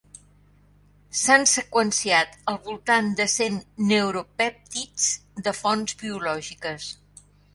S'han seqüenciat al voltant de cent neuropèptids de fonts biològiques.